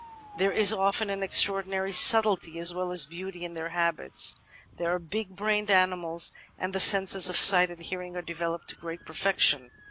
There is often an extraordinary subtlety as well as beauty in their habits. They are big brained animals, and the senses of sight and hearing are developed to great perfection.